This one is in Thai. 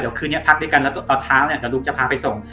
เดี๋ยวคืนนี้พักด้วยกันแล้วตอนเช้าเนี่ยเดี๋ยวลุงจะพาไปส่ง